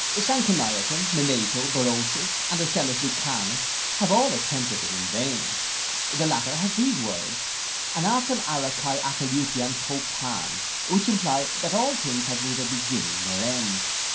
Sanconiathon, Manetho, Berosus, and Ocellus Lucanus, have all attempted it in vain. The latter has these words, Anarchon ara kai atelutaion to pan, which imply that all things have neither beginning nor end.